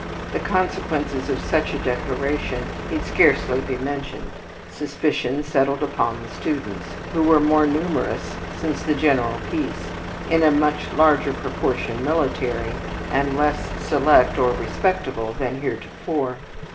The consequences of such a declaration need scarcely be mentioned. Suspicion settled upon the students, who were more numerous since the general peace, in a much larger proportion military, and less select or respectable than heretofore.